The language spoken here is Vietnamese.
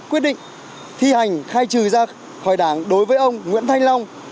quyết định thi hành khai trừ ra khỏi đảng đối với ông nguyễn thanh long